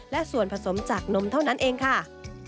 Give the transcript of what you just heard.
และส่วนผสมจากนมเท่านั้นเองค่ะ